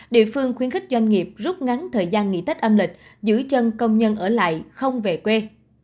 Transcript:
địa phương khuyến khích doanh nghiệp rút ngắn thời gian nghỉ tết âm lịch giữ chân công nhân ở lại không về quê